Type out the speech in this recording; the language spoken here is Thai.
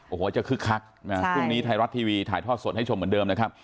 โอ้โหจะคึกคักพรุ่งนี้ไทยรัฐทีวีถ่ายทอดสดให้ชมเหมือนเดิมนะครับ